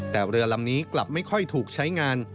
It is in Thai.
แต่เรือลำนี้กลับไม่ค่อยถูกใช้งาน